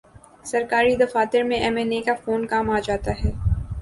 سرکاری دفاتر میں ایم این اے کا فون کام آجا تا ہے۔